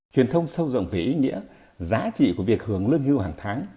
truyền thông sâu rộng về ý nghĩa giá trị của việc hưởng lương hưu hàng tháng